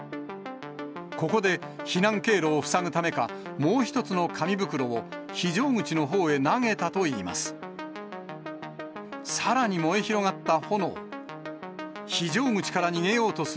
ここで避難経路を塞ぐためか、もう１つの紙袋を非常口のほうへ投げたといいます。